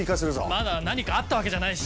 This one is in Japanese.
まだ何かあったわけじゃないし。